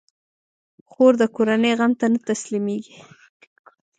خور د کورنۍ غم ته نه تسلېږي.